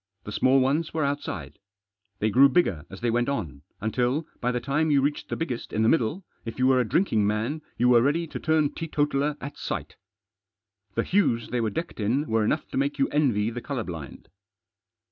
The small ones were outside. They grew bigger as they went on, until, by the time you reached the biggest in the middle, if you were a drinking man you were ready to turn teetotaler at sight The hues they were decked in were enough to make you envy the colour blind.